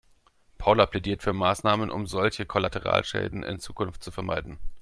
Paula plädiert für Maßnahmen, um solche Kollateralschäden in Zukunft zu vermeiden.